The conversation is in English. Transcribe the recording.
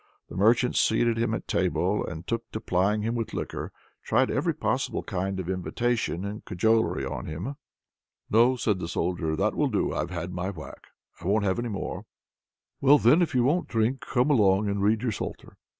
The merchant seated him at table and took to plying him with liquor tried every possible kind of invitation and cajolery on him. "No," says the Soldier, "that will do. I've had my whack. I won't have any more." "Well, then, if you won't drink, come along and read your psalter."